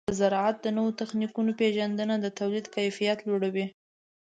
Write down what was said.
د زراعت د نوو تخنیکونو پیژندنه د تولید کیفیت لوړوي.